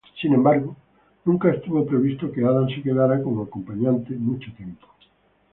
Sin embargo, nunca estuvo previsto que Adam se quedará como acompañante mucho tiempo.